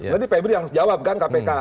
nanti pak ibril yang jawab kan kpk